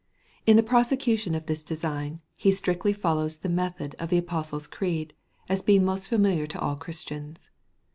In the prosecution of this design, he strictly follows the method of the Apostles' Creed, as being most familiar to all Christians.